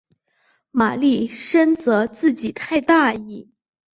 玛丽深责自己太大意。